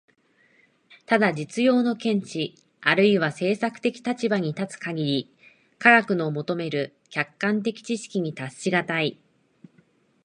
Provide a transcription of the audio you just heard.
ただ実用の見地あるいは政策的立場に立つ限り、科学の求める客観的知識に達し難い。